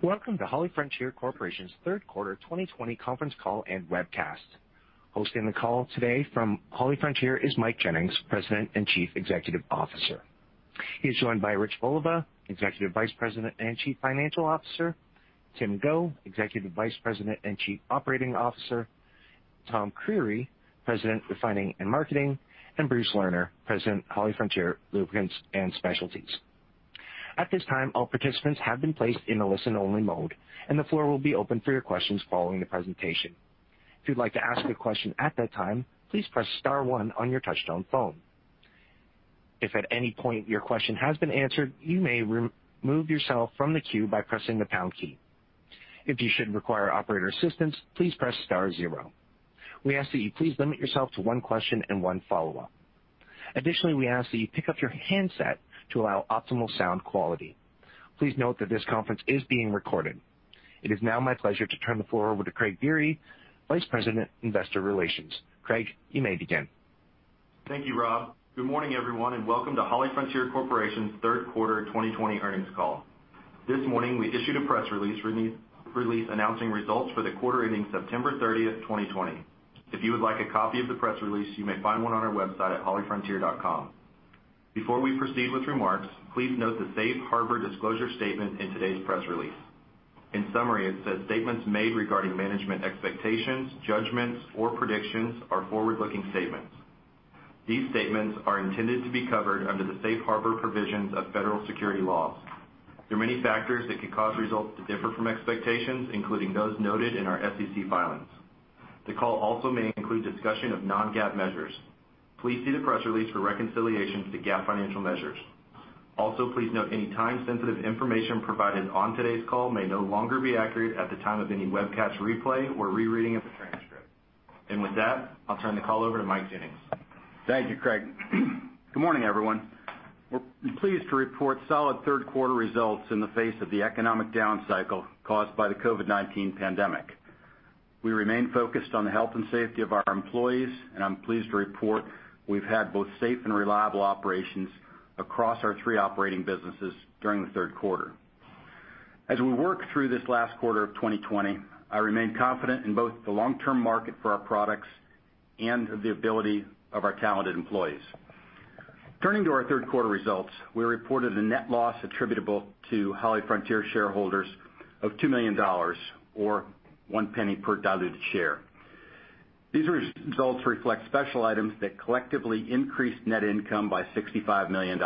Welcome to HollyFrontier Corporation's third quarter 2020 conference call and webcast. Hosting the call today from HollyFrontier is Mike Jennings, President and Chief Executive Officer. He's joined by Rich Voliva, Executive Vice President and Chief Financial Officer, Tim Go, Executive Vice President and Chief Operating Officer, Thomas Creery, President, Refining and Marketing, and Bruce Lerner, President, HollyFrontier Lubricants and Specialties. At this time, all participants have been placed in a listen-only mode, and the floor will be open for your questions following the presentation. If you'd like to ask a question at that time, please press star one on your touchtone phone. If at any point your question has been answered, you may remove yourself from the queue by pressing the pound key. If you should require operator assistance, please press star zero. We ask that you please limit yourself to one question and one follow-up. Additionally, we ask that you pick up your handset to allow optimal sound quality. Please note that this conference is being recorded. It is now my pleasure to turn the floor over to Craig Biery, Vice President, Investor Relations. Craig, you may begin. Thank you, Rob. Good morning, everyone, and welcome to HollyFrontier Corporation's third quarter 2020 earnings call. This morning, we issued a press release announcing results for the quarter ending September 30th, 2020. If you would like a copy of the press release, you may find one on our website at hollyfrontier.com. Before we proceed with remarks, please note the safe harbor disclosure statement in today's press release. In summary, it says statements made regarding management expectations, judgments, or predictions are forward-looking statements. These statements are intended to be covered under the safe harbor provisions of federal security laws. There are many factors that could cause results to differ from expectations, including those noted in our SEC filings. The call also may include discussion of non-GAAP measures. Please see the press release for reconciliations to GAAP financial measures. Also, please note any time-sensitive information provided on today's call may no longer be accurate at the time of any webcast replay or rereading of the transcript. With that, I'll turn the call over to Mike Jennings. Thank you, Craig. Good morning, everyone. We're pleased to report solid third quarter results in the face of the economic down cycle caused by the COVID-19 pandemic. We remain focused on the health and safety of our employees, and I'm pleased to report we've had both safe and reliable operations across our three operating businesses during the third quarter. As we work through this last quarter of 2020, I remain confident in both the long-term market for our products and the ability of our talented employees. Turning to our third quarter results, we reported a net loss attributable to HollyFrontier shareholders of $2 million, or $0.01 per diluted share. These results reflect special items that collectively increased net income by $65 million.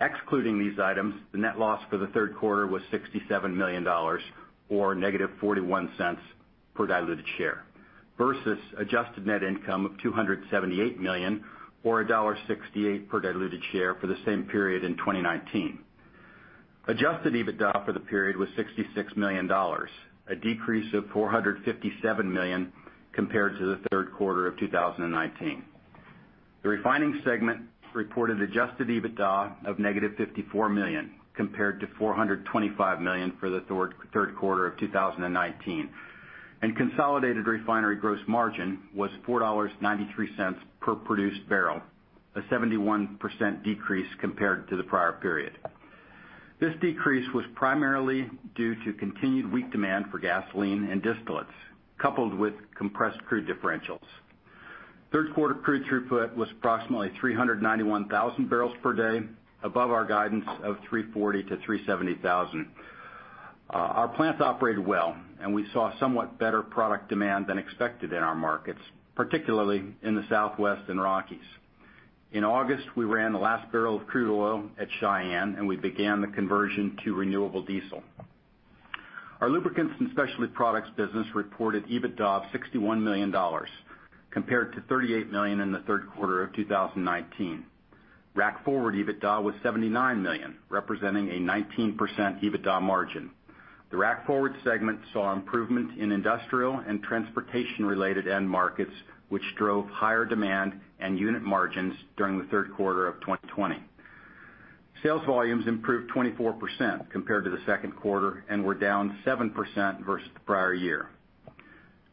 Excluding these items, the net loss for the third quarter was $67 million, or -$0.41 per diluted share, versus adjusted net income of $278 million, or $1.68 per diluted share for the same period in 2019. Adjusted EBITDA for the period was $66 million, a decrease of $457 million compared to the third quarter of 2019. The Refining segment reported adjusted EBITDA of -$54 million, compared to $425 million for the third quarter of 2019, and consolidated refinery gross margin was $4.93 per produced barrel, a 71% decrease compared to the prior period. This decrease was primarily due to continued weak demand for gasoline and distillates, coupled with compressed crude differentials. Third quarter crude throughput was approximately 391,000 barrels per day, above our guidance of 340,000-370,000. Our plants operated well, and we saw somewhat better product demand than expected in our markets, particularly in the Southwest and Rockies. In August, we ran the last barrel of crude oil at Cheyenne, and we began the conversion to renewable diesel. Our Lubricants and Specialties products business reported EBITDA of $61 million, compared to $38 million in the third quarter of 2019. Rack-forward EBITDA was $79 million, representing a 19% EBITDA margin. The rack-forward segment saw improvement in industrial and transportation-related end markets, which drove higher demand and unit margins during the third quarter of 2020. Sales volumes improved 24% compared to the second quarter and were down 7% versus the prior year.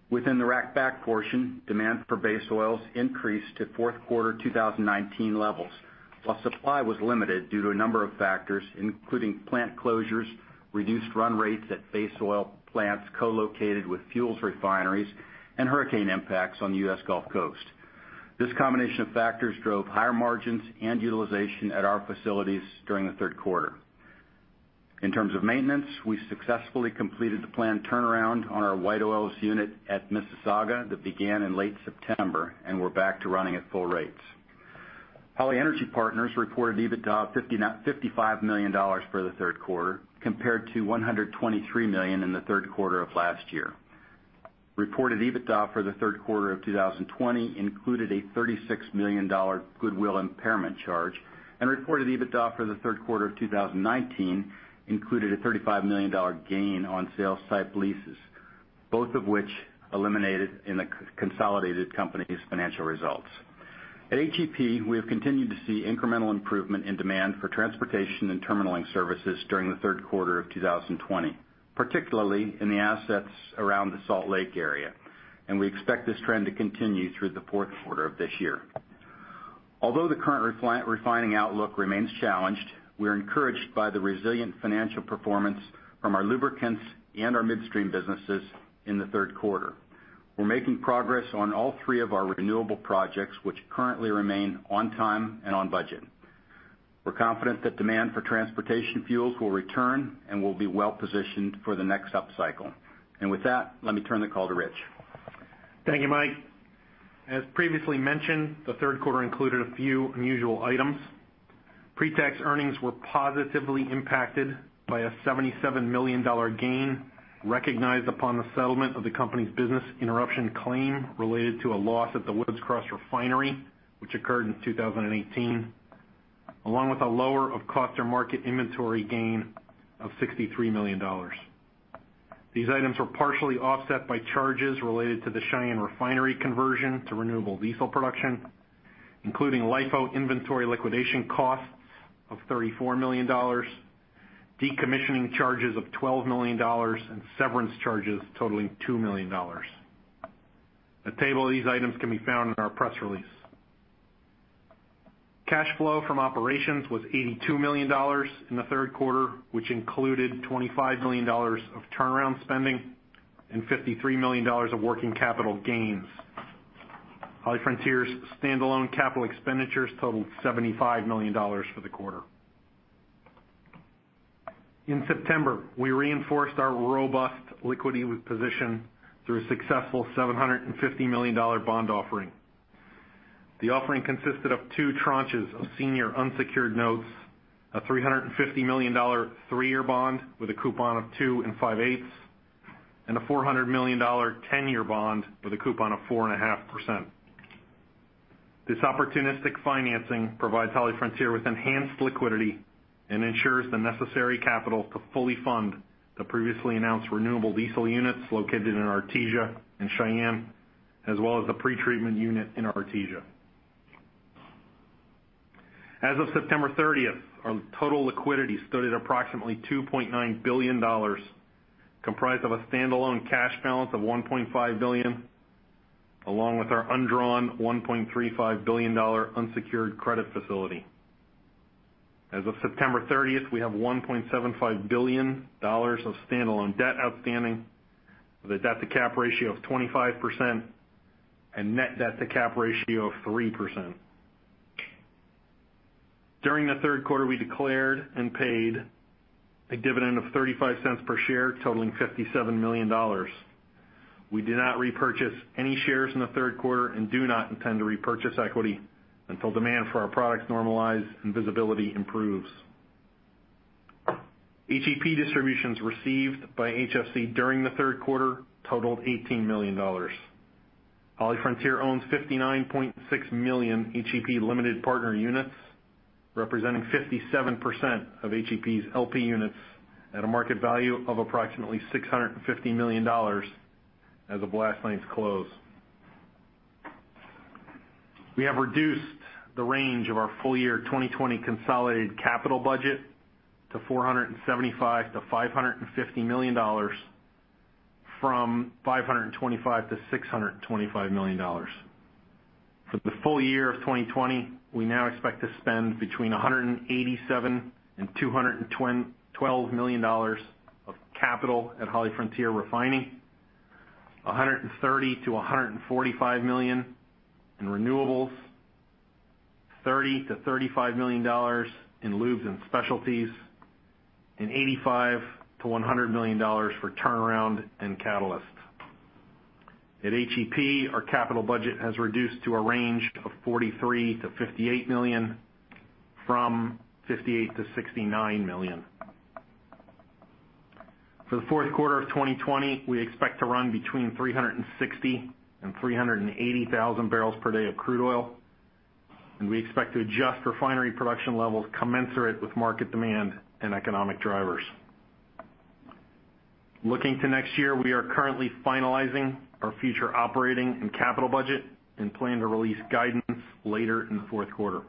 Within the rack back portion, demand for base oils increased to fourth quarter 2019 levels, while supply was limited due to a number of factors, including plant closures, reduced run rates at base oil plants co-located with fuels refineries, and hurricane impacts on the U.S. Gulf Coast. This combination of factors drove higher margins and utilization at our facilities during the third quarter. In terms of maintenance, we successfully completed the planned turnaround on our white oils unit at Mississauga that began in late September and we're back to running at full rates. Holly Energy Partners reported EBITDA of $55 million for the third quarter, compared to $123 million in the third quarter of last year. Reported EBITDA for the third quarter of 2020 included a $36 million goodwill impairment charge, and reported EBITDA for the third quarter of 2019 included a $35 million gain on sale site leases, both of which eliminated in the consolidated company's financial results. At HEP, we have continued to see incremental improvement in demand for transportation and terminaling services during the third quarter of 2020, particularly in the assets around the Salt Lake area, and we expect this trend to continue through the fourth quarter of this year. The current Refining outlook remains challenged, we're encouraged by the resilient financial performance from our Lubricants and our midstream businesses in the third quarter. We're making progress on all three of our renewable projects, which currently remain on time and on budget. We're confident that demand for transportation fuels will return and will be well-positioned for the next upcycle. With that, let me turn the call to Rich. Thank you, Mike. As previously mentioned, the third quarter included a few unusual items. Pre-tax earnings were positively impacted by a $77 million gain recognized upon the settlement of the company's business interruption claim related to a loss at the Woods Cross Refinery, which occurred in 2018, along with a lower of cost or market inventory gain of $63 million. These items were partially offset by charges related to the Cheyenne Refinery conversion to renewable diesel production, including LIFO inventory liquidation costs of $34 million, decommissioning charges of $12 million and severance charges totaling $2 million. A table of these items can be found in our press release. Cash flow from operations was $82 million in the third quarter, which included $25 million of turnaround spending and $53 million of working capital gains. HollyFrontier's standalone capital expenditures totaled $75 million for the quarter. In September, we reinforced our robust liquidity position through a successful $750 million bond offering. The offering consisted of two tranches of senior unsecured notes, a $350 million three-year bond with a coupon of 2 5/8%, and a $400 million 10-year bond with a coupon of 4.5%. This opportunistic financing provides HollyFrontier with enhanced liquidity and ensures the necessary capital to fully fund the previously announced renewable diesel units located in Artesia and Cheyenne, as well as the pretreatment unit in Artesia. As of September 30th, our total liquidity stood at approximately $2.9 billion, comprised of a standalone cash balance of $1.5 billion, along with our undrawn $1.35 billion unsecured credit facility. As of September 30th, we have $1.75 billion of standalone debt outstanding with a debt-to-cap ratio of 25% and net debt-to-cap ratio of 3%. During the third quarter, we declared and paid a dividend of $0.35 per share, totaling $57 million. We did not repurchase any shares in the third quarter and do not intend to repurchase equity until demand for our products normalize and visibility improves. HEP distributions received by HFC during the third quarter totaled $18 million. HollyFrontier owns 59.6 million HEP limited partner units, representing 57% of HEP's LP units at a market value of approximately $650 million as of last night's close. We have reduced the range of our full-year 2020 consolidated capital budget to $475 million-$550 million from $525 million-$625 million. For the full year of 2020, we now expect to spend between $187 million and $212 million of capital at HollyFrontier Refining, $130 million-$145 million in Renewables, $30 million-$35 million in Lubes and Specialties, and $85 million-$100 million for turnaround and catalyst. At HEP, our capital budget has reduced to a range of $43 million-$58 million from $58 million-$69 million. For the fourth quarter of 2020, we expect to run between 360,000 and 380,000 barrels per day of crude oil. We expect to adjust refinery production levels commensurate with market demand and economic drivers. Looking to next year, we are currently finalizing our future operating and capital budget and plan to release guidance later in the fourth quarter.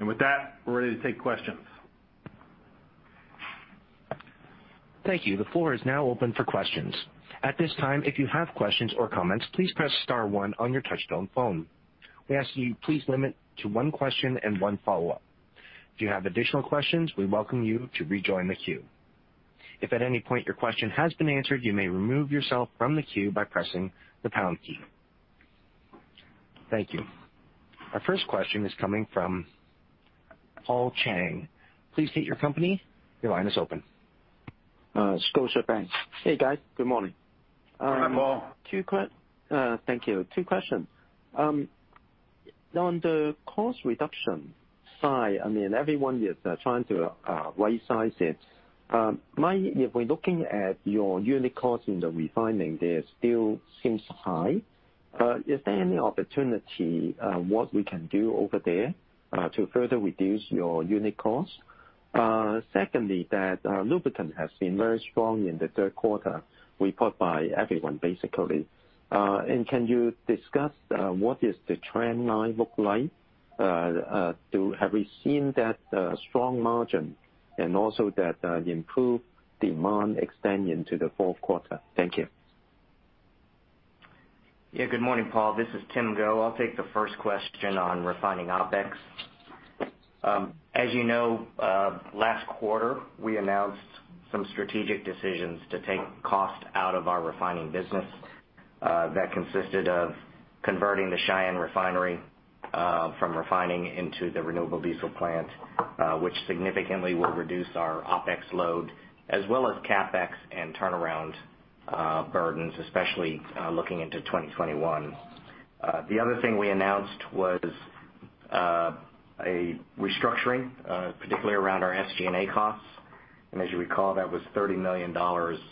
With that, we're ready to take questions. Thank you. The floor is now open for questions. At this time, if you have questions or comments, please press star one on your touchtone phone. We ask that you please limit to one question and one follow-up. If you have additional questions, we welcome you to rejoin the queue. If at any point your question has been answered, you may remove yourself from the queue by pressing the pound key. Thank you. Our first question is coming from Paul Cheng. Please state your company. Your line is open. Scotiabank. Hey, guys. Good morning. Good morning, Paul. Thank you. Two questions. On the cost reduction side, everyone is trying to right size it. Mike, if we're looking at your unit cost in the refining there, it still seems high. Is there any opportunity what we can do over there to further reduce your unit cost? Secondly, that Lubricant has been very strong in the third quarter, reported by everyone, basically. Can you discuss what does the trend line look like? Have we seen that strong margin and also that improved demand extend into the fourth quarter? Thank you. Yeah. Good morning, Paul. This is Tim Go. I'll take the first question on Refining OpEx. As you know, last quarter, we announced some strategic decisions to take cost out of our Refining business, that consisted of converting the Cheyenne refinery from refining into the renewable diesel plant, which significantly will reduce our OpEx load as well as CapEx and turnaround burdens, especially looking into 2021. The other thing we announced was a restructuring, particularly around our SG&A costs. As you recall, that was $30 million, $20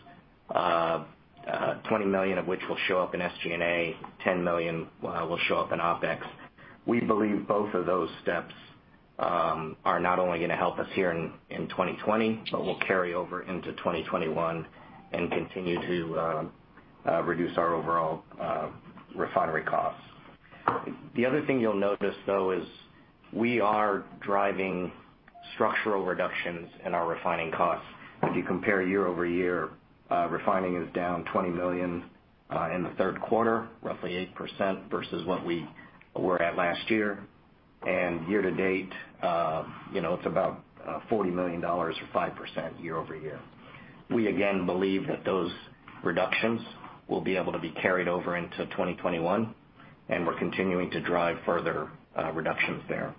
million of which will show up in SG&A, $10 million will show up in OpEx. We believe both of those steps are not only going to help us here in 2020, but will carry over into 2021 and continue to reduce our overall refinery costs. The other thing you'll notice though is we are driving structural reductions in our Refining costs. If you compare year-over-year, Refining is down $20 million in the third quarter, roughly 8% versus what we were at last year. Year to date, it's about $40 million or 5% year-over-year. We again believe that those reductions will be able to be carried over into 2021, and we're continuing to drive further reductions there.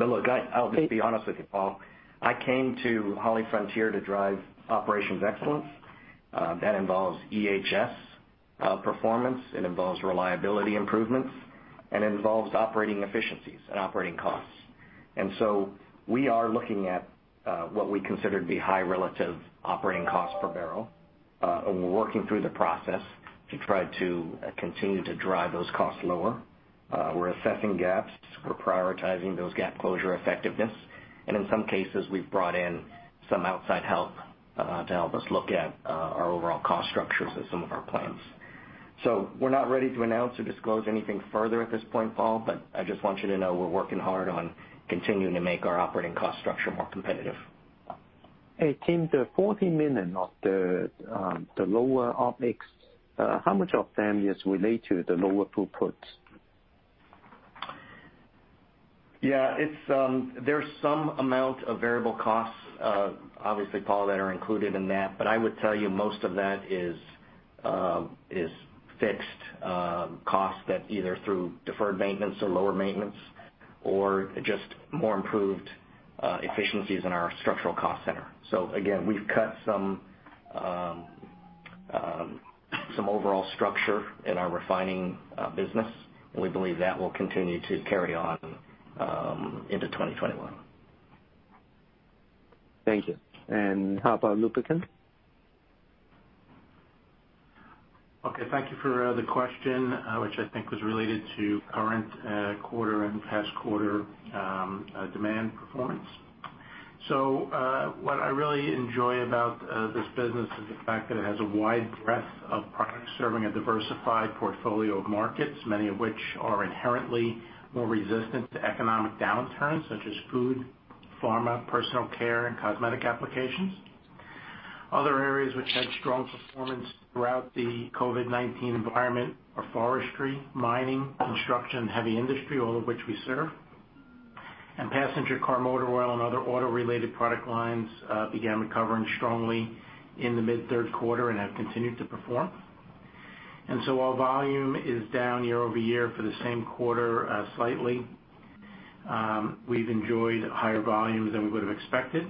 Look, I'll just be honest with you, Paul. I came to HollyFrontier to drive operations excellence. That involves EHS performance, it involves reliability improvements, and it involves operating efficiencies and operating costs. We are looking at what we consider to be high relative operating costs per barrel. We're working through the process to try to continue to drive those costs lower. We're assessing gaps. We're prioritizing those gap closure effectiveness. In some cases, we've brought in some outside help to help us look at our overall cost structures at some of our plants. We're not ready to announce or disclose anything further at this point, Paul, but I just want you to know we're working hard on continuing to make our operating cost structure more competitive. Hey, Tim, the $40 million of the lower OpEx, how much of them is related to the lower throughput? Yeah. There's some amount of variable costs, obviously, Paul, that are included in that, but I would tell you most of that is fixed costs that either through deferred maintenance or lower maintenance or just more improved efficiencies in our structural cost center. Again, we've cut some overall structure in our Refining business, and we believe that will continue to carry on into 2021. Thank you. How about Lubricants? Okay, thank you for the question, which I think was related to current quarter and past quarter demand performance. What I really enjoy about this business is the fact that it has a wide breadth of products serving a diversified portfolio of markets, many of which are inherently more resistant to economic downturns such as food, pharma, personal care, and cosmetic applications. Other areas which had strong performance throughout the COVID-19 environment are forestry, mining, construction, heavy industry, all of which we serve. Passenger car motor oil and other auto-related product lines began recovering strongly in the mid-third quarter and have continued to perform. While volume is down year-over-year for the same quarter, slightly, we've enjoyed higher volumes than we would've expected.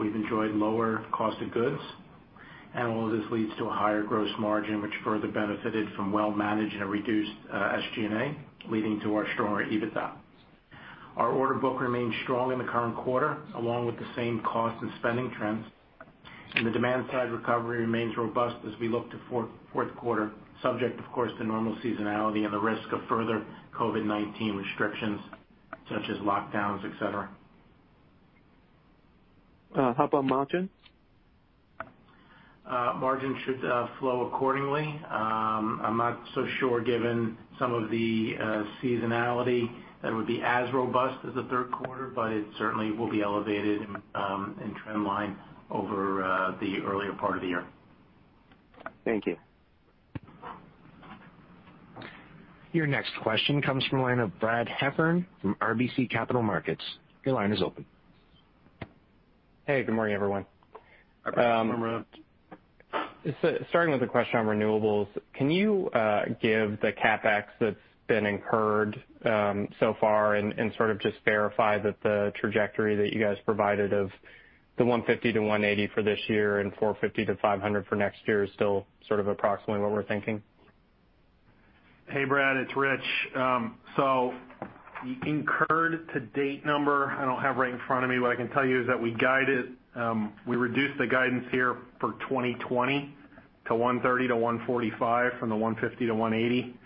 We've enjoyed lower cost of goods, and all of this leads to a higher gross margin, which further benefited from well-managed and reduced SG&A, leading to our stronger EBITDA. Our order book remains strong in the current quarter, along with the same cost and spending trends. The demand-side recovery remains robust as we look to fourth quarter, subject, of course, to normal seasonality and the risk of further COVID-19 restrictions such as lockdowns, et cetera. How about margin? Margin should flow accordingly. I'm not so sure given some of the seasonality that would be as robust as the third quarter, but it certainly will be elevated in trend line over the earlier part of the year. Thank you. Your next question comes from the line of Brad Heffern from RBC Capital Markets. Your line is open. Hey, good morning, everyone. Hi, Brad. Starting with a question on Renewables, can you give the CapEx that's been incurred so far and just verify that the trajectory that you guys provided of the $150 million-$180 million for this year and $450 million-$500 million for next year is still approximately what we're thinking? Hey, Brad, it's Rich. The incurred to date number I don't have right in front of me. What I can tell you is that we reduced the guidance here for 2020 to $130 million-$145 million from the $150 million-$180 million.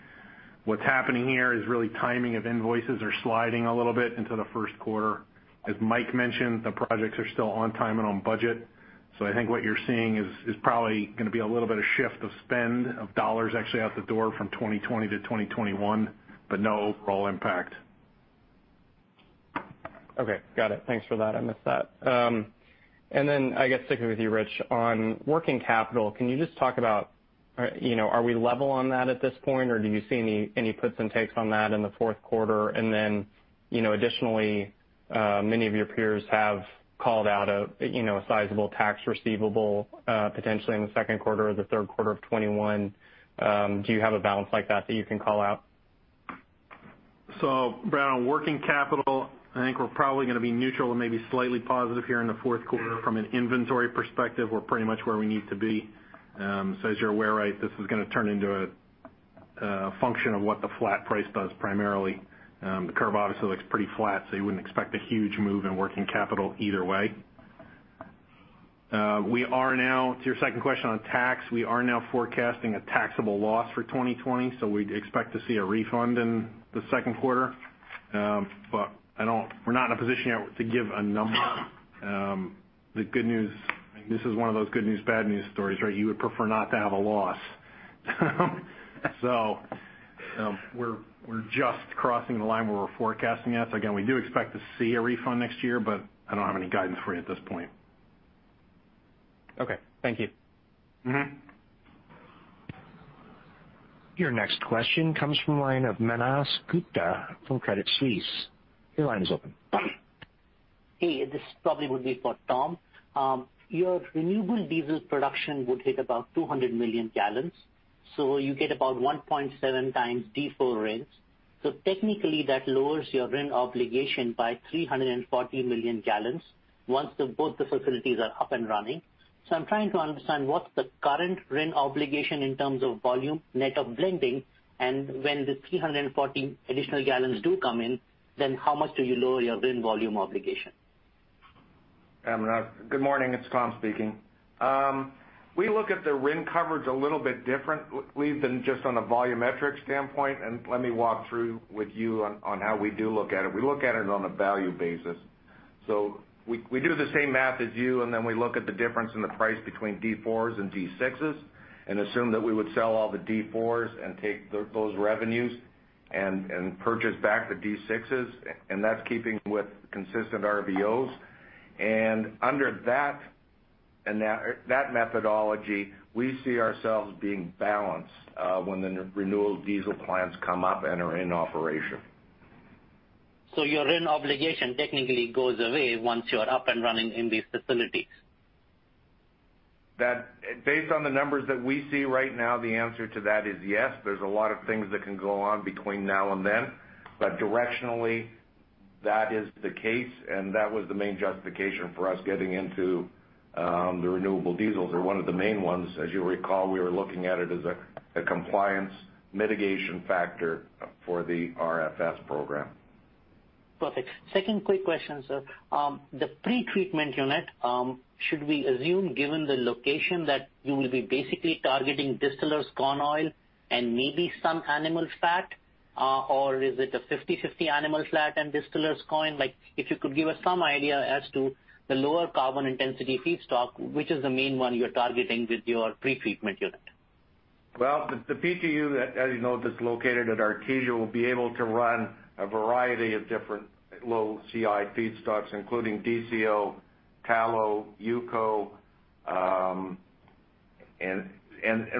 What's happening here is really timing of invoices are sliding a little bit into the first quarter. As Mike mentioned, the projects are still on time and on budget. I think what you're seeing is probably going to be a little bit of shift of spend of dollars actually out the door from 2020 to 2021, but no overall impact. Okay, got it. Thanks for that. I missed that. I guess sticking with you, Rich, on working capital, can you just talk about are we level on that at this point, or do you see any puts and takes on that in the fourth quarter? Additionally, many of your peers have called out a sizable tax receivable, potentially in the second quarter or the third quarter of 2021. Do you have a balance like that that you can call out? Brad, working capital, I think we're probably going to be neutral and maybe slightly positive here in the fourth quarter. From an inventory perspective, we're pretty much where we need to be. As you're aware, this is going to turn into a function of what the flat price does primarily. The curve obviously looks pretty flat, so you wouldn't expect a huge move in working capital either way. To your second question on tax, we are now forecasting a taxable loss for 2020, so we'd expect to see a refund in the second quarter. We're not in a position yet to give a number. This is one of those good news, bad news stories. You would prefer not to have a loss. We're just crossing the line where we're forecasting it. Again, we do expect to see a refund next year, but I don't have any guidance for you at this point. Okay. Thank you. Your next question comes from the line of Manav Gupta from Credit Suisse. Your line is open. Hey, this probably would be for Tom. Your renewable diesel production would hit about 200 million gallons. You get about 1.7x default RINs. Technically that lowers your RIN obligation by 340 million gallons once both the facilities are up and running. I'm trying to understand what's the current RIN obligation in terms of volume net of blending, and when the 340 additional gallons do come in, how much do you lower your RIN volume obligation? Manav, good morning. It's Tom speaking. We look at the RIN coverage a little bit differently than just on a volumetric standpoint. Let me walk through with you on how we do look at it. We look at it on a value basis. We do the same math as you. Then we look at the difference in the price between D4s and D6s and assume that we would sell all the D4s and take those revenues and purchase back the D6s, and that's keeping with consistent RVOs. Under that methodology, we see ourselves being balanced when the renewable diesel plants come up and are in operation. Your RIN obligation technically goes away once you're up and running in these facilities. Based on the numbers that we see right now, the answer to that is yes. There's a lot of things that can go on between now and then. Directionally, that is the case, and that was the main justification for us getting into the renewable diesel, or one of the main ones. As you'll recall, we were looking at it as a compliance mitigation factor for the RFS program. Perfect. Second quick question, sir. The pretreatment unit, should we assume, given the location, that you will be basically targeting distillers corn oil and maybe some animal fat? Or is it a 50/50 animal fat and distillers corn? If you could give us some idea as to the lower carbon intensity feedstock, which is the main one you're targeting with your pretreatment unit? Well, the PTU, as you know, that's located at Artesia, will be able to run a variety of different low CI feedstocks, including DCO, tallow, UCO.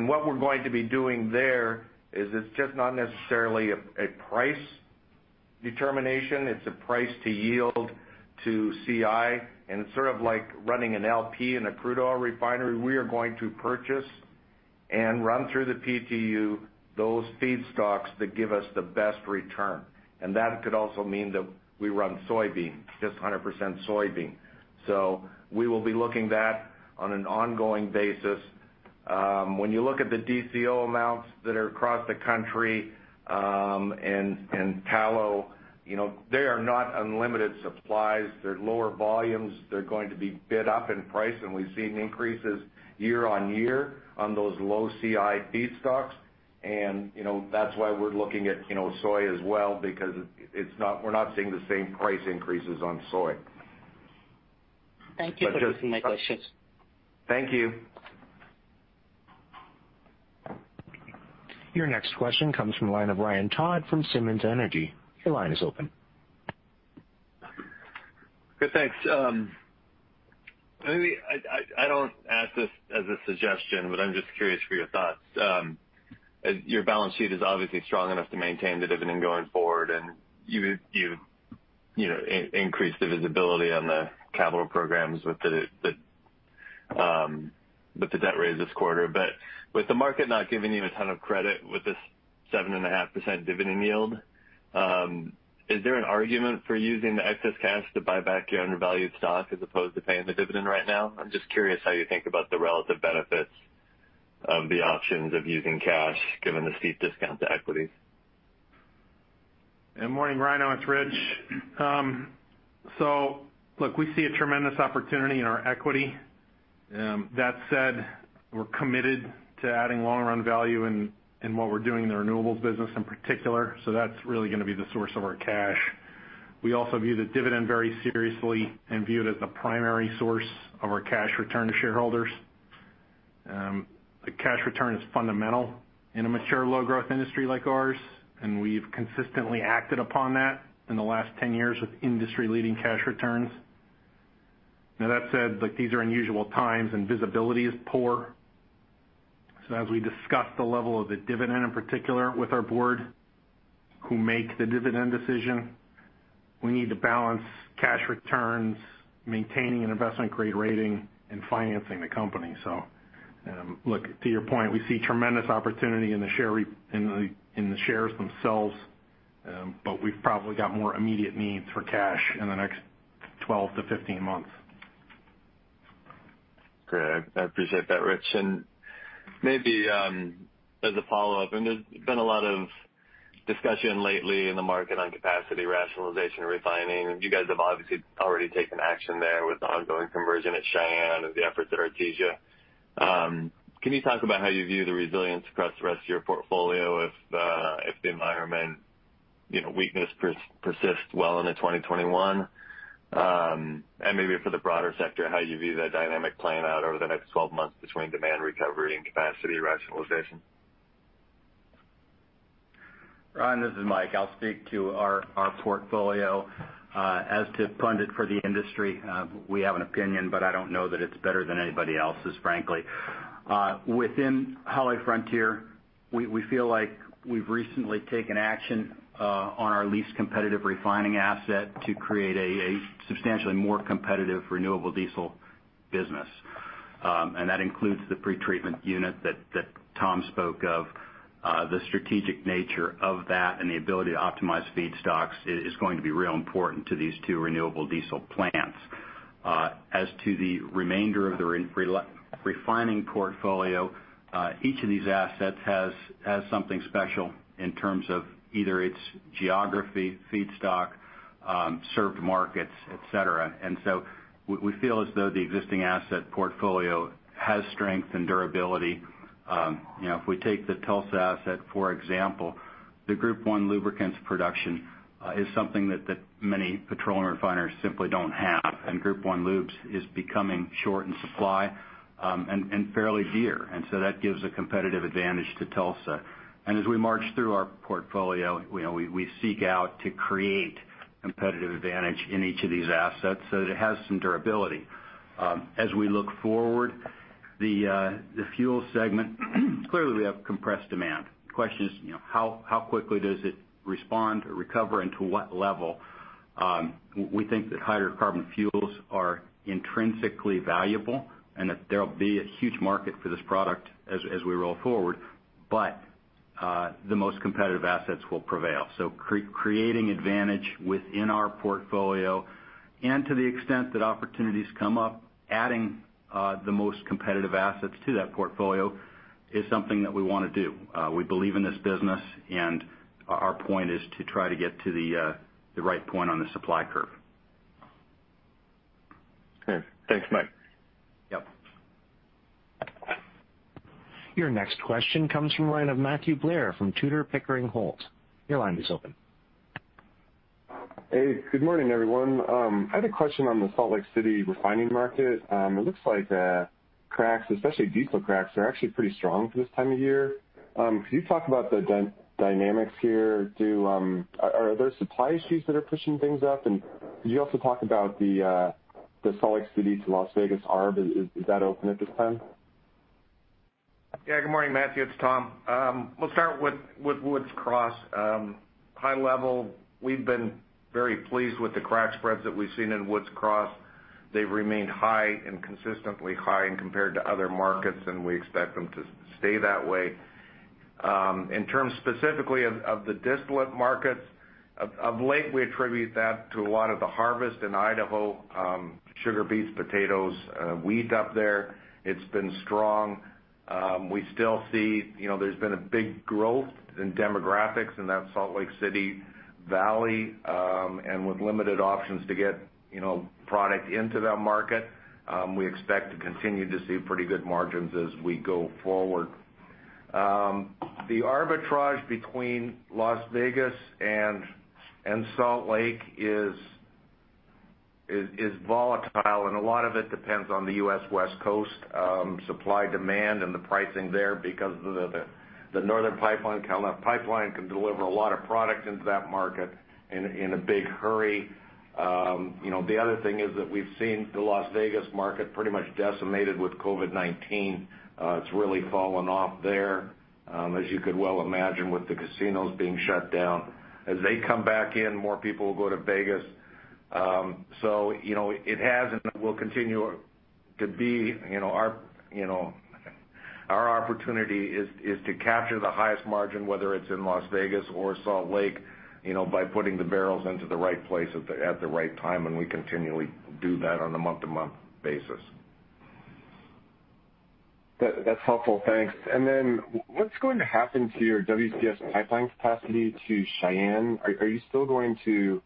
What we're going to be doing there is it's just not necessarily a price determination, it's a price to yield to CI. It's sort of like running an LP in a crude oil refinery. We are going to purchase and run through the PTU those feedstocks that give us the best return. That could also mean that we run soybean, just 100% soybean. We will be looking at that on an ongoing basis. When you look at the DCO amounts that are across the country, and tallow, they are not unlimited supplies. They're lower volumes. They're going to be bid up in price, and we've seen increases year-over-year on those low CI feedstocks. That's why we're looking at soy as well, because we're not seeing the same price increases on soy. Thank you for addressing my questions. Thank you. Your next question comes from the line of Ryan Todd from Simmons Energy. Your line is open. Good, thanks. Maybe, I don't ask this as a suggestion, but I'm just curious for your thoughts. Your balance sheet is obviously strong enough to maintain the dividend going forward, and you increased the visibility on the capital programs with the debt raise this quarter. With the market not giving you a ton of credit with this 7.5% dividend yield, is there an argument for using the excess cash to buy back your undervalued stock as opposed to paying the dividend right now? I'm just curious how you think about the relative benefits of the options of using cash given the steep discount to equity. Yeah. Morning, Ryan. It's Rich. Look, we see a tremendous opportunity in our equity. That said, we're committed to adding long-run value in what we're doing in the Renewables business in particular, so that's really going to be the source of our cash. We also view the dividend very seriously and view it as the primary source of our cash return to shareholders. The cash return is fundamental in a mature, low-growth industry like ours, and we've consistently acted upon that in the last 10 years with industry-leading cash returns. That said, these are unusual times, and visibility is poor. As we discuss the level of the dividend, in particular with our board, who make the dividend decision, we need to balance cash returns, maintaining an investment-grade rating, and financing the company. Look, to your point, we see tremendous opportunity in the shares themselves. We've probably got more immediate needs for cash in the next 12 to 15 months. Great. I appreciate that, Rich. Maybe as a follow-up, there's been a lot of discussion lately in the market on capacity rationalization and refining. You guys have obviously already taken action there with the ongoing conversion at Cheyenne and the efforts at Artesia. Can you talk about how you view the resilience across the rest of your portfolio if the environment weakness persists well into 2021? Maybe for the broader sector, how you view that dynamic playing out over the next 12 months between demand recovery and capacity rationalization? Ryan, this is Mike. I'll speak to our portfolio. As to pundit for the industry, we have an opinion, but I don't know that it's better than anybody else's, frankly. Within HollyFrontier, we feel like we've recently taken action on our least competitive refining asset to create a substantially more competitive renewable diesel business. That includes the pretreatment unit that Tom spoke of. The strategic nature of that and the ability to optimize feedstocks is going to be real important to these two renewable diesel plants. As to the remainder of the refining portfolio, each of these assets has something special in terms of either its geography, feedstock, served markets, et cetera. We feel as though the existing asset portfolio has strength and durability. If we take the Tulsa asset, for example, the Group I lubricants production is something that many petroleum refiners simply don't have, and Group I lubes is becoming short in supply and fairly dear. That gives a competitive advantage to Tulsa. As we march through our portfolio, we seek out to create competitive advantage in each of these assets so that it has some durability. As we look forward, the fuel segment, clearly, we have compressed demand. The question is, how quickly does it respond or recover, and to what level? We think that hydrocarbon fuels are intrinsically valuable and that there'll be a huge market for this product as we roll forward, but the most competitive assets will prevail. Creating advantage within our portfolio and to the extent that opportunities come up, adding the most competitive assets to that portfolio is something that we want to do. We believe in this business, and our point is to try to get to the right point on the supply curve. Okay. Thanks, Mike. Yep. Your next question comes from the line of Matthew Blair from Tudor, Pickering, Holt. Your line is open. Hey, good morning, everyone. I had a question on the Salt Lake City refining market. It looks like cracks, especially diesel cracks, are actually pretty strong for this time of year. Could you talk about the dynamics here? Are there supply issues that are pushing things up? Could you also talk about the Salt Lake City to Las Vegas arb. Is that open at this time? Yeah. Good morning, Matthew. It's Tom. We'll start with Woods Cross. High level, we've been very pleased with the crack spreads that we've seen in Woods Cross. They've remained high and consistently high compared to other markets. We expect them to stay that way. In terms specifically of the distillate markets, of late, we attribute that to a lot of the harvest in Idaho. Sugar beets, potatoes, wheat up there. It's been strong. We still see there's been a big growth in demographics in that Salt Lake City valley. With limited options to get product into that market, we expect to continue to see pretty good margins as we go forward. The arbitrage between Las Vegas and Salt Lake is volatile, and a lot of it depends on the U.S. West Coast supply-demand and the pricing there because the Northern California Pipeline can deliver a lot of product into that market in a big hurry. The other thing is that we've seen the Las Vegas market pretty much decimated with COVID-19. It's really fallen off there. As you could well imagine with the casinos being shut down. As they come back in, more people will go to Vegas. It has and will continue to be our opportunity is to capture the highest margin, whether it's in Las Vegas or Salt Lake, by putting the barrels into the right place at the right time, and we continually do that on a month-to-month basis. That's helpful. Thanks. What's going to happen to your WCS pipeline capacity to Cheyenne? Are you still going to,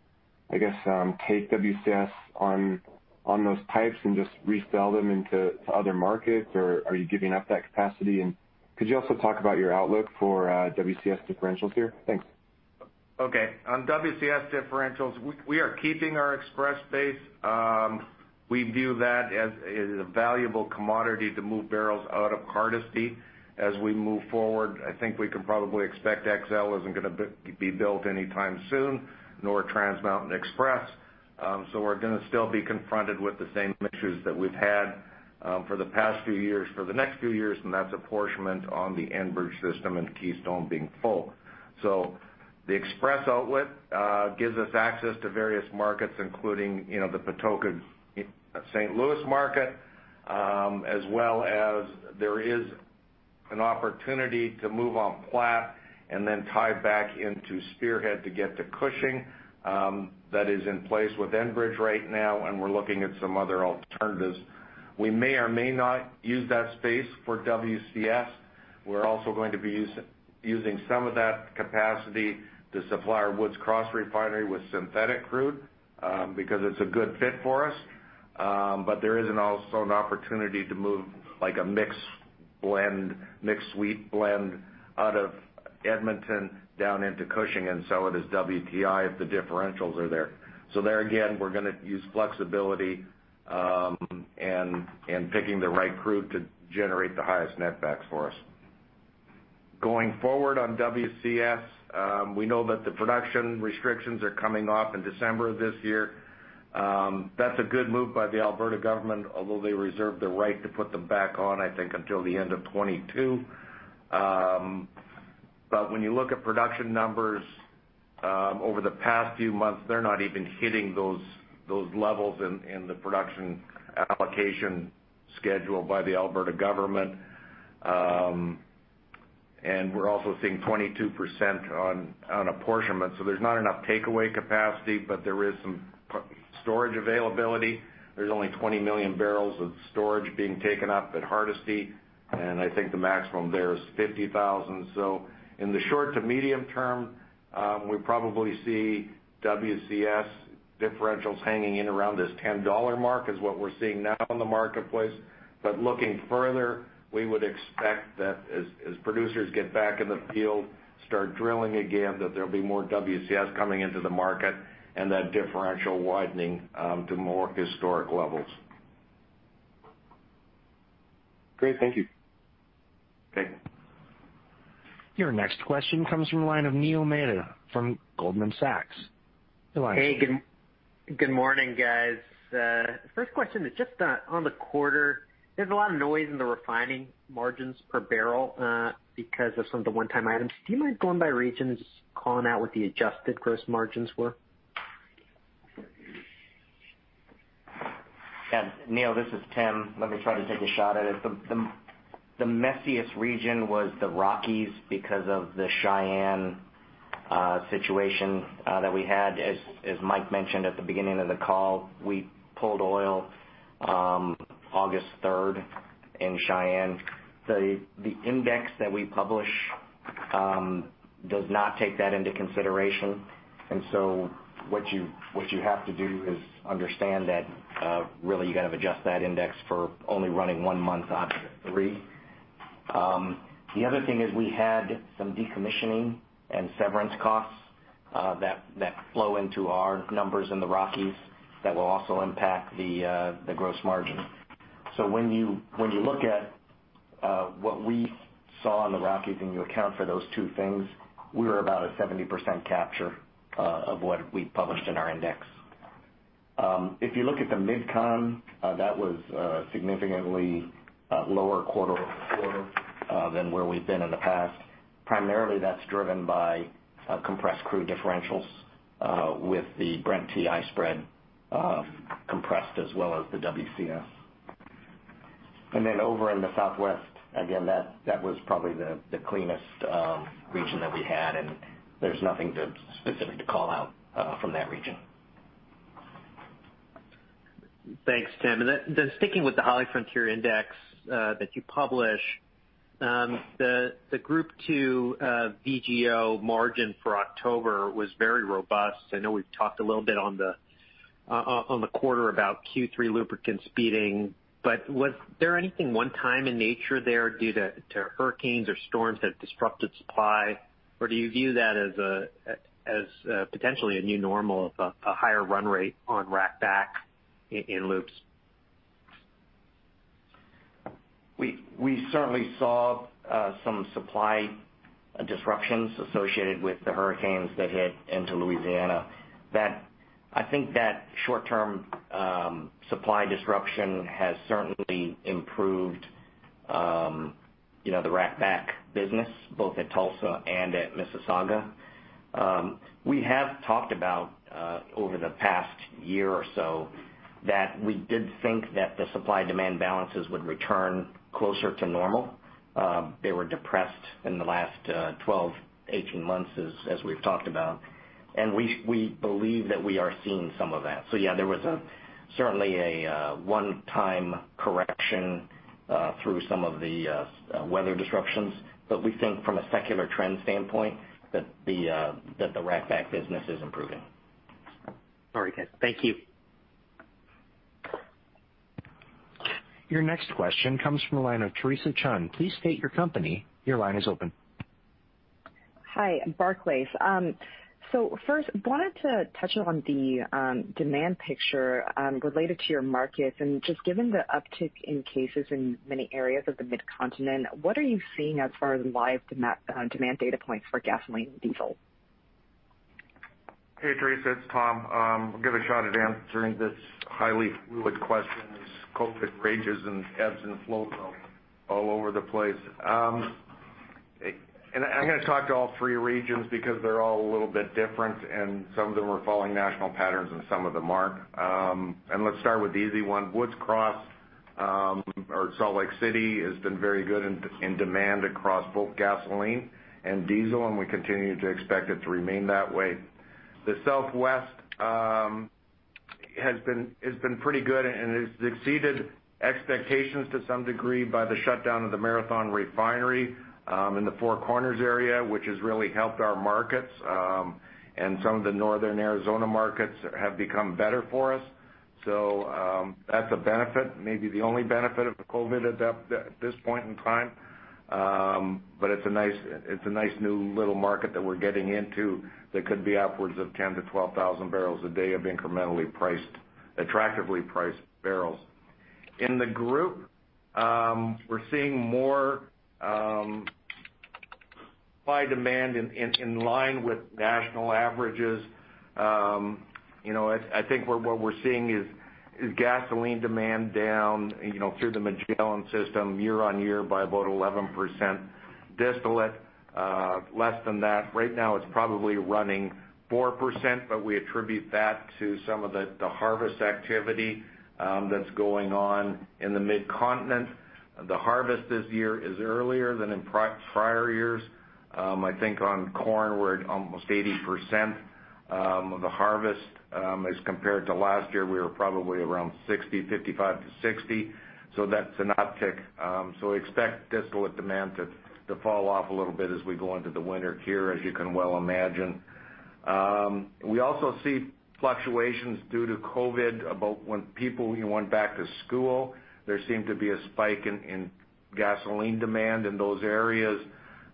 I guess, take WCS on those pipes and just resell them into other markets? Or are you giving up that capacity? Could you also talk about your outlook for WCS differentials here? Thanks. On WCS differentials, we are keeping our Express base. We view that as a valuable commodity to move barrels out of Hardisty as we move forward. I think we can probably expect XL isn't going to be built anytime soon, nor Trans Mountain Expansion. We're going to still be confronted with the same issues that we've had for the past few years, for the next few years, and that's apportionment on the Enbridge system and Keystone being full. The Express outlet gives us access to various markets, including the Patoka St. Louis market, as well as there is an opportunity to move on Platte and then tie back into Spearhead to get to Cushing. That is in place with Enbridge right now, and we're looking at some other alternatives. We may or may not use that space for WCS. We're also going to be using some of that capacity to supply our Woods Cross Refinery with synthetic crude, because it's a good fit for us. There is also an opportunity to move a mixed sweet blend out of Edmonton down into Cushing and sell it as WTI if the differentials are there. There again, we're going to use flexibility in picking the right crude to generate the highest net backs for us. Going forward on WCS, we know that the production restrictions are coming off in December of this year. That's a good move by the Alberta government, although they reserve the right to put them back on, I think, until the end of 2022. When you look at production numbers over the past few months, they're not even hitting those levels in the production allocation schedule by the Alberta government. We're also seeing 22% on apportionment. There's not enough takeaway capacity, but there is some storage availability. There's only 20 million barrels of storage being taken up at Hardisty, and I think the maximum there is 50,000. In the short to medium term, we probably see WCS differentials hanging in around this $10 mark is what we're seeing now in the marketplace. Looking further, we would expect that as producers get back in the field, start drilling again, that there'll be more WCS coming into the market and that differential widening to more historic levels. Great. Thank you. Okay. Your next question comes from the line of Neil Mehta from Goldman Sachs. Go ahead. Hey, good morning, guys. First question is just on the quarter. There's a lot of noise in the Refining margins per barrel because of some of the one-time items. Do you mind going by regions, calling out what the adjusted gross margins were? Yes. Neil, this is Tim. Let me try to take a shot at it. The messiest region was the Rockies because of the Cheyenne situation that we had. As Mike mentioned at the beginning of the call, we pulled oil August 3rd in Cheyenne. The index that we publish does not take that into consideration, what you have to do is understand that really you got to adjust that index for only running one month out of the three. The other thing is we had some decommissioning and severance costs that flow into our numbers in the Rockies that will also impact the gross margin. When you look at what we saw in the Rockies and you account for those two things, we were about a 70% capture of what we published in our index. If you look at the MidCon, that was significantly lower quarter-over-quarter than where we've been in the past. Primarily, that's driven by compressed crude differentials with the Brent-WTI spread compressed as well as the WCS. Then over in the Southwest, again, that was probably the cleanest region that we had, and there's nothing specific to call out from that region. Thanks, Tim. Sticking with the HollyFrontier index that you publish, the Group II VGO margin for October was very robust. I know we've talked a little bit on the quarter about Q3 Lubricants beating, was there anything one time in nature there due to hurricanes or storms that disrupted supply? Do you view that as potentially a new normal of a higher run rate on rack back in loops? We certainly saw some supply disruptions associated with the hurricanes that hit into Louisiana. I think that short-term supply disruption has certainly improved the rack back business, both at Tulsa and at Mississauga. We have talked about, over the past year or so, that we did think that the supply-demand balances would return closer to normal. They were depressed in the last 12, 18 months, as we've talked about, and we believe that we are seeing some of that. Yeah, there was certainly a one-time correction through some of the weather disruptions. We think from a secular trend standpoint that the rack back business is improving. All right. Thank you. Your next question comes from the line of Theresa Chen. Please state your company. Your line is open. Hi, Barclays. First, I wanted to touch on the demand picture related to your markets. Just given the uptick in cases in many areas of the Mid-Continent, what are you seeing as far as live demand data points for gasoline and diesel? Hey, Theresa, it's Tom. I'll give a shot at answering this highly fluid question as COVID-19 rages and ebbs and flows all over the place. I'm going to talk to all three regions because they're all a little bit different, and some of them are following national patterns and some of them aren't. Let's start with the easy one. Woods Cross or Salt Lake City has been very good in demand across both gasoline and diesel, and we continue to expect it to remain that way. The Southwest has been pretty good and has exceeded expectations to some degree by the shutdown of the Marathon refinery in the Four Corners area, which has really helped our markets. Some of the Northern Arizona markets have become better for us. That's a benefit, maybe the only benefit of COVID-19 at this point in time. It's a nice new little market that we're getting into that could be upwards of 10,000-12,000 barrels a day of incrementally priced, attractively priced barrels. In the group, we're seeing more supply demand in line with national averages. I think what we're seeing is gasoline demand down through the Magellan system year-over-year by about 11%. Distillate less than that. Right now, it's probably running 4%, but we attribute that to some of the harvest activity that's going on in the Mid-Continent. The harvest this year is earlier than in prior years. I think on corn, we're at almost 80% of the harvest. As compared to last year, we were probably around 55%-60%. That's an uptick. Expect distillate demand to fall off a little bit as we go into the winter here, as you can well imagine. We also see fluctuations due to COVID about when people went back to school. There seemed to be a spike in gasoline demand in those areas.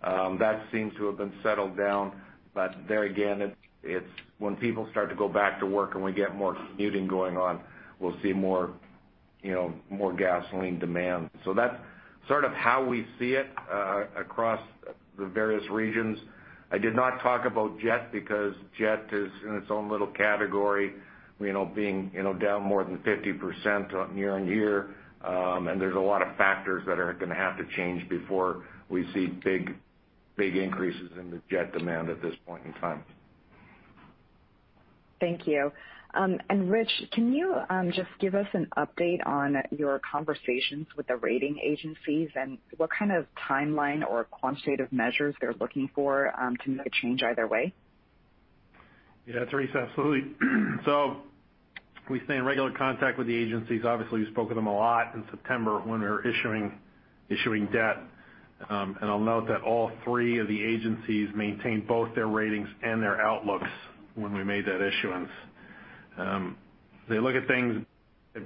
That seems to have been settled down, but there again, it's when people start to go back to work and we get more commuting going on, we'll see more gasoline demand. That's sort of how we see it across the various regions. I did not talk about jet, because jet is in its own little category, being down more than 50% year on year. There's a lot of factors that are going to have to change before we see big increases in the jet demand at this point in time. Thank you. Rich, can you just give us an update on your conversations with the rating agencies and what kind of timeline or quantitative measures they're looking for to make a change either way? Yeah, Theresa, absolutely. We stay in regular contact with the agencies. Obviously, we spoke with them a lot in September when we were issuing debt. I'll note that all three of the agencies maintained both their ratings and their outlooks when we made that issuance. They look at things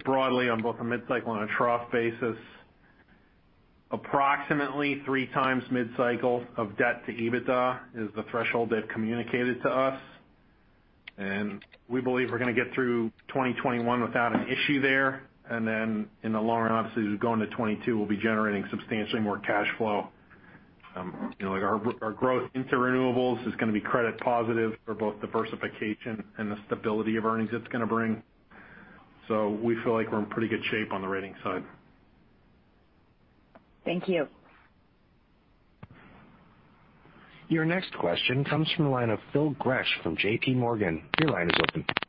broadly on both a mid-cycle and a trough basis. Approximately 3x mid-cycle of debt to EBITDA is the threshold they've communicated to us, and we believe we're going to get through 2021 without an issue there. In the long run, obviously, as we go into 2022, we'll be generating substantially more cash flow. Our growth into renewables is going to be credit positive for both diversification and the stability of earnings it's going to bring. We feel like we're in pretty good shape on the ratings side. Thank you. Your next question comes from the line of Phil Gresh from JPMorgan. Your line is open. Phil, we're having a really hard time hearing you.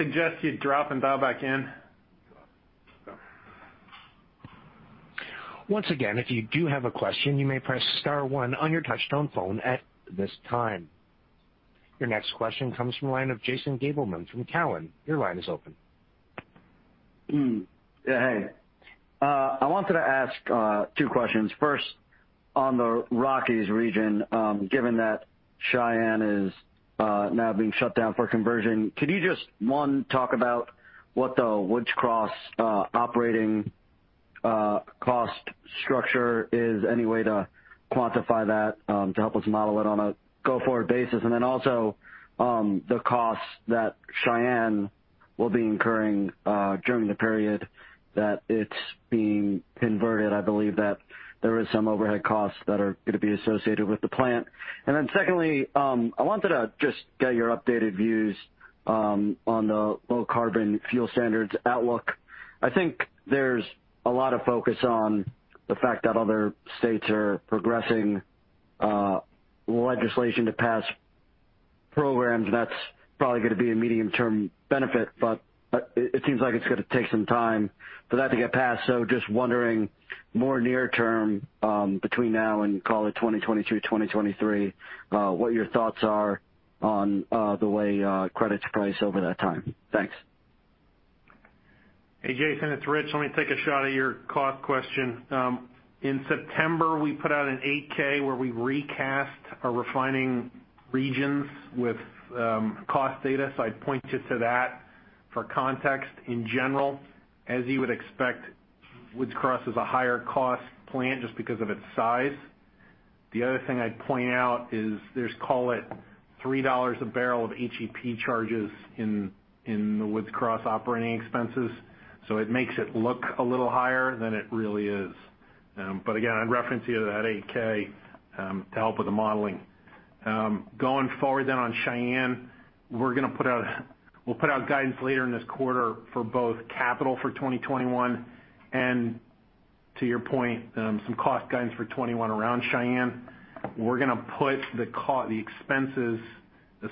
No. Yeah. Yeah. Phil, can I suggest you drop and dial back in? Once again, if you do have a question, you may press star one on your touchtone phone at this time. Your next question comes from the line of Jason Gabelman from Cowen. Your line is open. Hey. I wanted to ask two questions. First, on the Rockies region, given that Cheyenne is now being shut down for conversion, could you just, one, talk about what the Woods Cross operating cost structure is? Any way to quantify that to help us model it on a go-forward basis? Also, the costs that Cheyenne will be incurring during the period that it's being converted. I believe that there is some overhead costs that are going to be associated with the plant. Secondly, I wanted to just get your updated views on the low carbon fuel standards outlook. I think there's a lot of focus on the fact that other states are progressing legislation to pass programs, and that's probably going to be a medium-term benefit, but it seems like it's going to take some time for that to get passed. Just wondering, more near term, between now and call it 2022, 2023, what your thoughts are on the way credits price over that time? Thanks. Hey, Jason, it's Rich. Let me take a shot at your cost question. In September, we put out an 8-K where we recast our refining regions with cost data. I'd point you to that for context. In general, as you would expect, Woods Cross is a higher-cost plant just because of its size. The other thing I'd point out is there's, call it, $3 a barrel of HEP charges in the Woods Cross operating expenses, it makes it look a little higher than it really is. Again, I'd reference you to that 8-K to help with the modeling. Going forward then on Cheyenne, we'll put out guidance later in this quarter for both capital for 2021 and, to your point, some cost guidance for 2021 around Cheyenne. We're going to put the expenses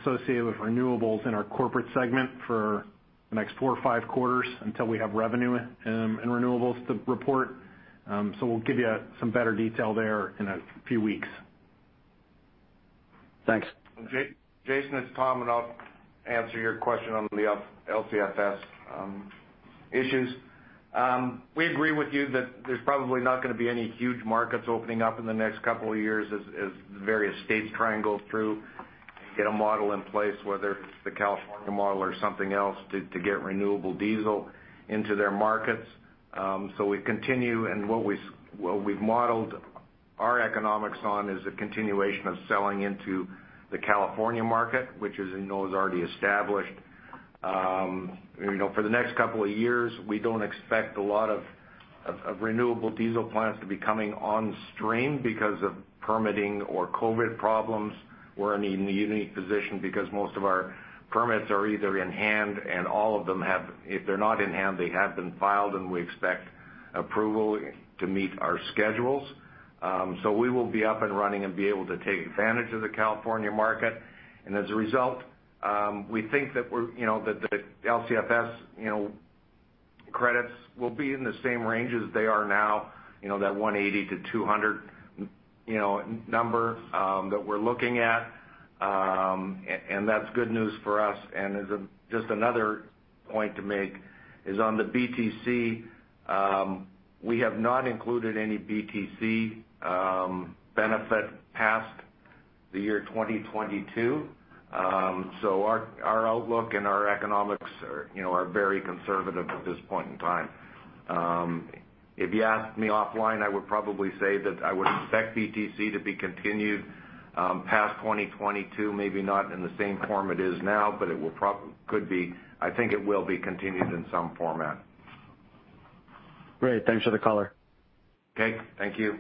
associated with Renewables in our corporate segment for the next four or five quarters until we have revenue in Renewables to report. We'll give you some better detail there in a few weeks. Thanks. Jason, it is Tom, and I will answer your question on the LCFS issues. We agree with you that there is probably not going to be any huge markets opening up in the next couple of years as the various states try and go through, get a model in place, whether it is the California model or something else, to get renewable diesel into their markets. We continue, and what we have modeled our economics on is a continuation of selling into the California market, which, as you know, is already established. For the next couple of years, we do not expect a lot of renewable diesel plants to be coming on stream because of permitting or COVID problems. We are in a unique position because most of our permits are either in hand, and all of them, if they are not in hand, they have been filed, and we expect approval to meet our schedules. We will be up and running and be able to take advantage of the California market. As a result, we think that the LCFS credits will be in the same range as they are now, that $180-$200 number that we're looking at. That's good news for us. As just another point to make is on the BTC, we have not included any BTC benefit past the year 2022. Our outlook and our economics are very conservative at this point in time. If you asked me offline, I would probably say that I would expect BTC to be continued past 2022, maybe not in the same form it is now, but I think it will be continued in some format. Great. Thanks for the color. Okay. Thank you.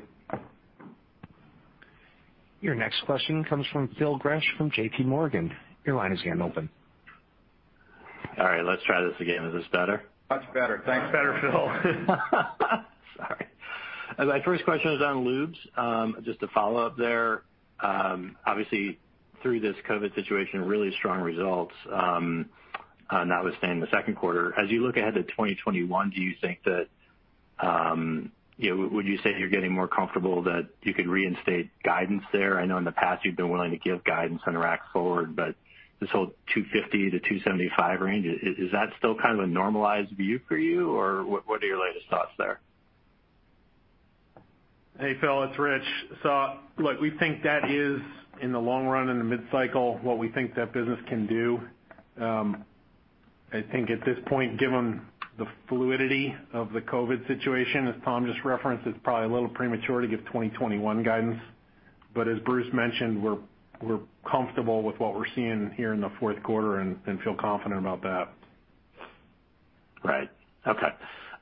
Your next question comes from Phil Gresh from JPMorgan. Your line is again open. All right, let's try this again. Is this better? Much better. Thanks, Phil. Sorry. My first question is on lubes. Just to follow up there, obviously, through this COVID-19 situation, really strong results notwithstanding the second quarter. As you look ahead to 2021, would you say you're getting more comfortable that you could reinstate guidance there? I know in the past you've been willing to give guidance on the rack-forward, but this whole $2.50-$2.75 range, is that still kind of a normalized view for you? What are your latest thoughts there? Hey, Phil, it's Rich. Look, we think that is, in the long run, in the mid-cycle, what we think that business can do. I think at this point, given the fluidity of the COVID situation, as Tom just referenced, it's probably a little premature to give 2021 guidance. As Bruce mentioned, we're comfortable with what we're seeing here in the fourth quarter and feel confident about that. Right. Okay.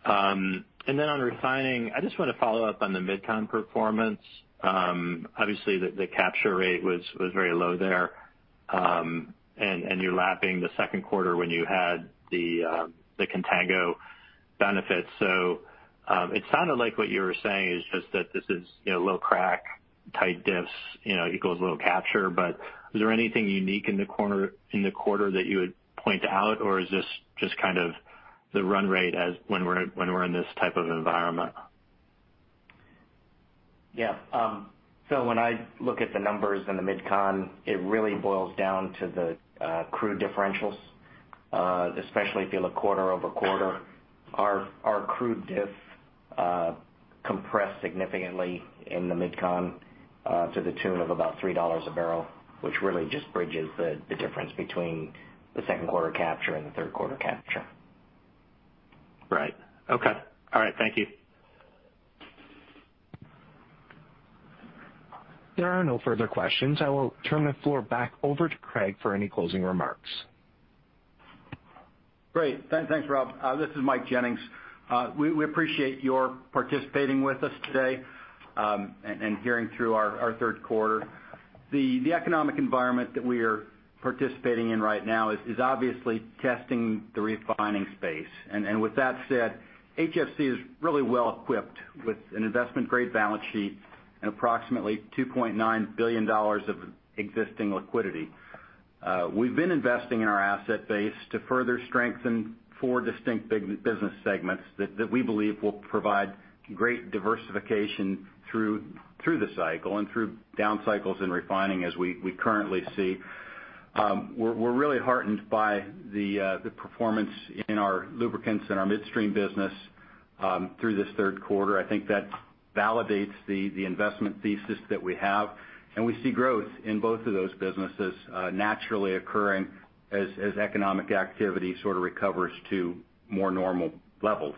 On Refining, I just want to follow up on the MidCon performance. Obviously, the capture rate was very low there. You're lapping the second quarter when you had the contango benefits. It sounded like what you were saying is just that this is low crack, tight diffs equals low capture. Is there anything unique in the quarter that you would point out? Is this just kind of the run rate as when we're in this type of environment? Yeah. Phil, when I look at the numbers in the MidCon, it really boils down to the crude differentials, especially if you look quarter-over-quarter. Our crude diff compressed significantly in the MidCon to the tune of about $3 a barrel, which really just bridges the difference between the second quarter capture and the third quarter capture. Right. Okay. All right. Thank you. There are no further questions. I will turn the floor back over to Craig for any closing remarks. Great. Thanks, Rob. This is Mike Jennings. We appreciate your participating with us today and hearing through our third quarter. The economic environment that we are participating in right now is obviously testing the refining space. With that said, HFC is really well equipped with an investment-grade balance sheet and approximately $2.9 billion of existing liquidity. We've been investing in our asset base to further strengthen four distinct business segments that we believe will provide great diversification through the cycle and through down cycles in refining, as we currently see. We're really heartened by the performance in our Lubricants and our midstream business through this third quarter. I think that validates the investment thesis that we have, and we see growth in both of those businesses naturally occurring as economic activity sort of recovers to more normal levels.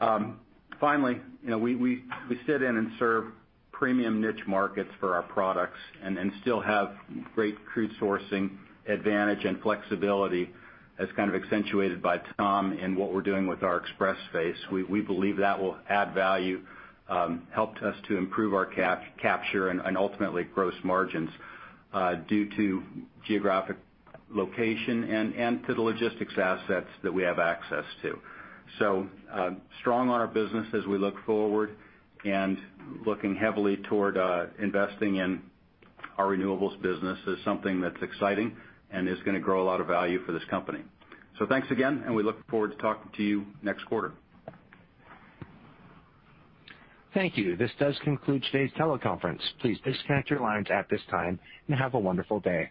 We sit in and serve premium niche markets for our products and still have great crude sourcing advantage and flexibility as kind of accentuated by Tom and what we're doing with our Express. We believe that will add value, helped us to improve our capture and ultimately gross margins due to geographic location and to the logistics assets that we have access to. Strong on our business as we look forward and looking heavily toward investing in our Renewables business is something that's exciting and is going to grow a lot of value for this company. Thanks again, we look forward to talking to you next quarter. Thank you. This does conclude today's teleconference. Please disconnect your lines at this time and have a wonderful day.